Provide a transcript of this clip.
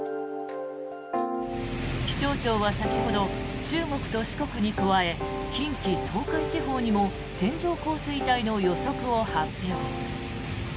気象庁は先ほど中国と四国に加え近畿、東海地方にも線状降水帯の予測を発表。